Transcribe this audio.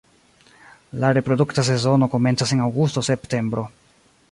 La reprodukta sezono komencas en aŭgusto-septembro.